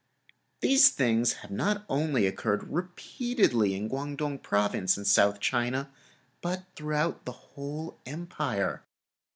These things have not only occurred repeatedly in the Kwong Tung Province of South China, but also throughout the whole Empire.